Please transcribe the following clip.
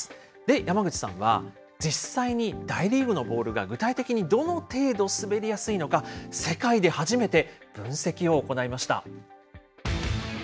山口さんは、実際に大リーグのボールが、具体的にどの程度滑りやすいのか、世界で初めて分析を行いました。